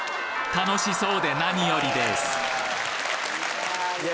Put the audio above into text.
楽しそうで何よりですいや。